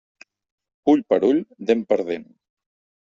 Ull per ull, dent per dent.